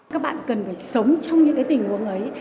các bạn cần phải sống trong những tình huống ấy